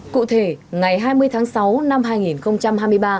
cụ thể ngày hai mươi tháng sáu năm hai nghìn một mươi chín